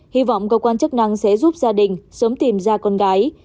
hy vọng cơ quan chức năng sẽ giúp gia đình sớm tìm ra con gái